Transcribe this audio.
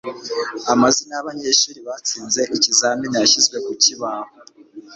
Amazina yabanyeshuri batsinze ikizamini yashyizwe ku kibaho